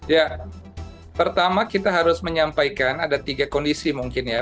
ya pertama kita harus menyampaikan ada tiga kondisi mungkin ya